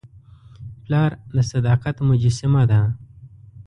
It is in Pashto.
پلار د صداقت مجسمه ده.